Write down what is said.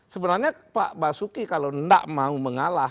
sebenarnya pak basuki kalau tidak mau mengalah